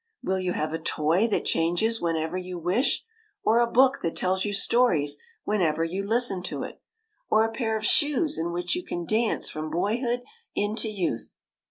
Will you have a toy that changes whenever you wish, or a book that tells you stories whenever you listen to it, or a WENT TO THE MOON 171 pair of shoes in which you can dance from boyhood into youth?